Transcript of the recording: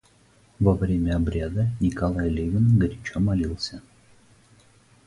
Во время обряда Николай Левин горячо молился.